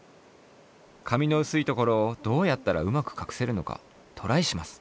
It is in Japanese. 髪の薄いところをどうやったらうまく隠せるのかトライします。